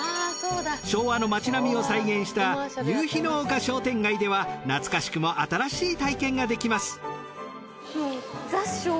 昭和の町並みを再現した夕日の丘商店街では懐かしくも新しい体験ができます。